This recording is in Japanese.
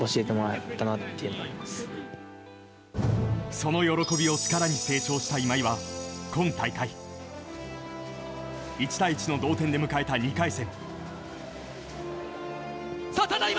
その喜びを力に成長した今井は今大会１対１の同点で迎えた２回戦。